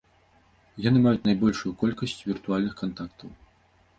Яны маюць найбольшую колькасць віртуальных кантактаў.